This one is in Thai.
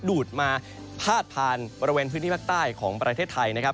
ดูดมาพาดผ่านบริเวณพื้นที่ภาคใต้ของประเทศไทยนะครับ